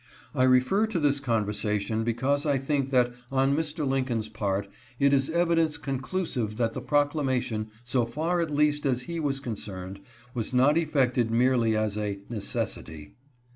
I refer to this conversation because I think that, on Mr. Lincoln's part, it is evidence conclusive that the proclama tion, so far at least as he was concerned, was not effected merely as a " necessity."